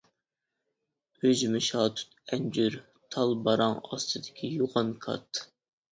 ئۈجمە، شاتۇت، ئەنجۈر، تال باراڭ ئاستىدىكى يوغان كات.